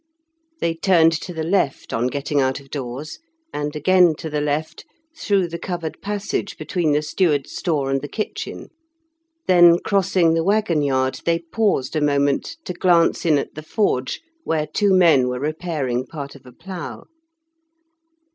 They turned to the left, on getting out of doors, and again to the left, through the covered passage between the steward's store and the kitchen. Then crossing the waggon yard, they paused a moment to glance in at the forge, where two men were repairing part of a plough.